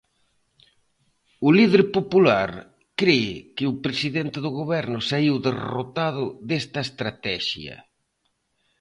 O líder popular cre que o presidente do Goberno saíu derrotado desta estratexia.